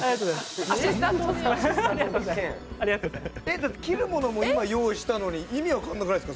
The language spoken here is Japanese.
だって切るものも今用意したのに意味分かんなくないですか？